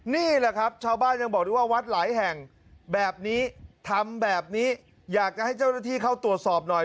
นี่แหละครับชาวบ้านยังบอกได้ว่าวัดหลายแห่งแบบนี้ทำแบบนี้อยากจะให้เจ้าหน้าที่เข้าตรวจสอบหน่อย